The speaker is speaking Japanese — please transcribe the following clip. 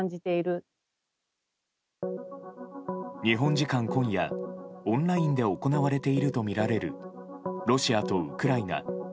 日本時間今夜、オンラインで行われているとみられるロシアとウクライナ